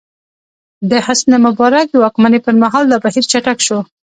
د حسن مبارک د واکمنۍ پر مهال دا بهیر چټک شو.